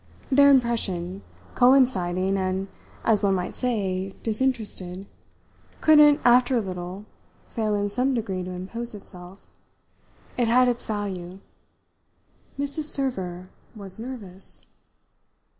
Their impression, coinciding and, as one might say, disinterested, couldn't, after a little, fail in some degree to impose itself. It had its value. Mrs. Server was "nervous."